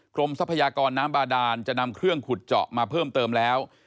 ทรัพยากรน้ำบาดานจะนำเครื่องขุดเจาะมาเพิ่มเติมแล้ว